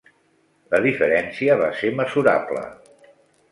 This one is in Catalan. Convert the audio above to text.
La diferència va ser mesurable.